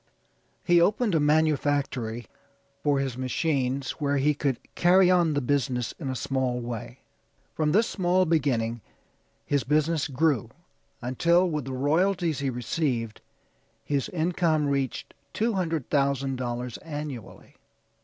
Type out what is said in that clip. He opened a manufactory for his machines where he could carry on the business in a small way. From this small beginning his business grew until, with the royalties he received, his income reached $200,000 annually.